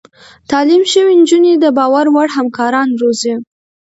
تعليم شوې نجونې د باور وړ همکاران روزي.